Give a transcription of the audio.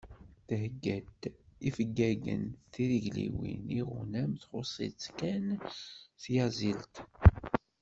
Thegga-d ifeggagen, tirigliwin, iɣunam. Txuṣ-itt kan tyaẓilt.